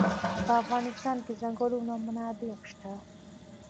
په افغانستان کې د ځنګلونه منابع شته.